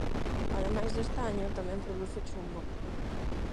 Ademais do estaño tamén produce chumbo.